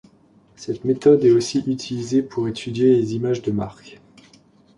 Cette méthode est aussi utilisée pour étudier les images de marques.